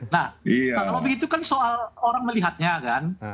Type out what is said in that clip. nah kalau begitu kan soal orang melihatnya kan